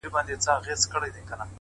څوک به نو څه رنګه اقبا وویني ـ